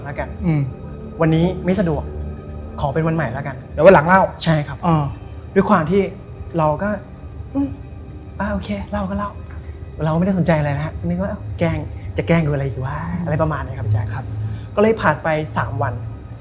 แล้วคนทุกคนเนี่ย